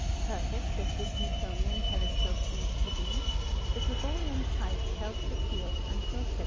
Perfect as this Newtonian telescope seemed to be, the Gregorian type held the field until 1774.